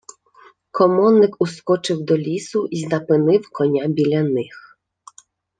Комонник ускочив до лісу й напинив коня біля них.